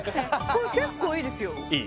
これ結構いいですよいい？